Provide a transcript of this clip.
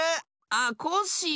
あっコッシー。